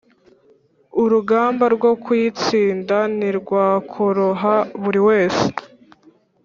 urugamba rwo kuyitsinda ntirwakoroha buri wese